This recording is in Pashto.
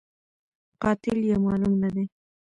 قاتل یې معلوم نه دی